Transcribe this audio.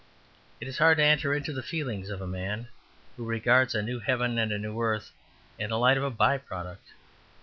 It is hard to enter into the feelings of a man who regards a new heaven and a new earth in the light of a by product.